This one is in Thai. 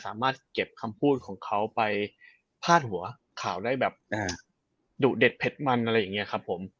สามารถเก็บคำพูดของเขาไปพาดหัวข่าวได้แบบดุเด็ดเผ็ดมันอะไรอย่างนี้ครับผม